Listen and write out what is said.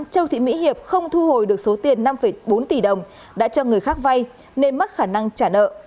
châu thị mỹ hiệp không thu hồi được số tiền năm bốn tỷ đồng đã cho người khác vay nên mất khả năng trả nợ